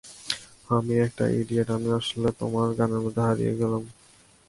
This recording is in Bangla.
আমি একটা ইডিয়ট, আমি আসলে তোমার গানের মধ্যে হারিয়ে গেছিলাম।